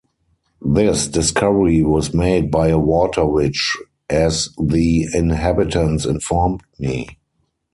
This discovery was made by a water-witch, as the inhabitants informed me.